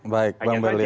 baik bang belia